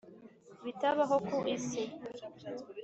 bitabaho ku isi.